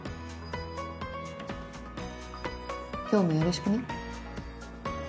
今日もよろしくね。